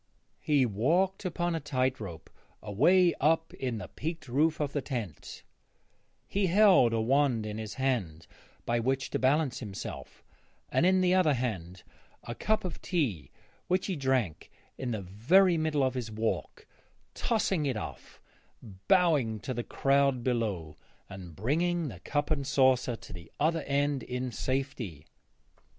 He walked upon a tight rope away up in the peaked roof of the tent; he held a wand in his hand by which to balance himself and in the other hand a cup of tea which he drank in the very middle of his walk; tossing it off, bowing to the crowd below, and bringing the cup and saucer to the other end in safety.